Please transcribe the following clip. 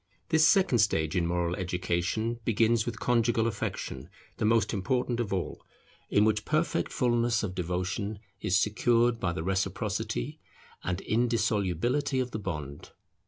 This second stage in moral education begins with conjugal affection, the most important of all, in which perfect fullness of devotion is secured by the reciprocity and indissolubility of the bond.